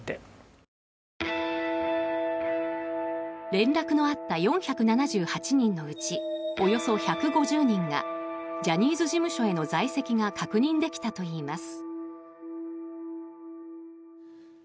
連絡のあった４７８人のうちおよそ１５０人がジャニーズ事務所への在籍が確認できたといいます。